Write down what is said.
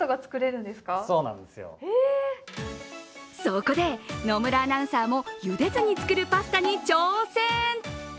そこで野村アナウンサーもゆでずに作るパスタに挑戦。